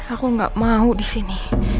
aku gak mau disini